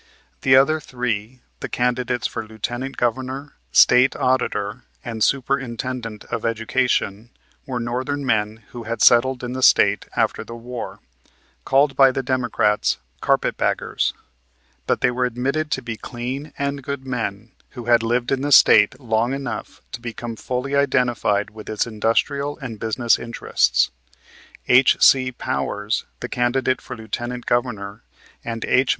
The other three, the candidates for Lieutenant Governor, State Auditor and Superintendent of Education, were Northern men who had settled in the State after the War, called by the Democrats, "Carpet Baggers," but they were admitted to be clean and good men who had lived in the State long enough to become fully identified with its industrial and business interests. H.C. Powers, the candidate for Lieutenant Governor, and H.